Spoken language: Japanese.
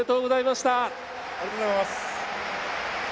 ありがとうございます。